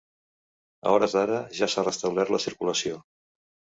A hores d’ara ja s’ha restablert la circulació.